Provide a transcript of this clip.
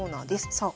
さあ